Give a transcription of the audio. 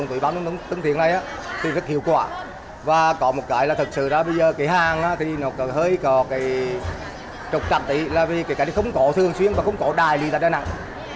tương thiện này thì rất hiệu quả và có một cái là thật sự là bây giờ cái hàng thì nó hơi có cái trục trạng tỷ là vì cái này không có thường xuyên và không có đài lý ở đà nẵng